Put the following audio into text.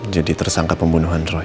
jadi tersangka pembunuhan roy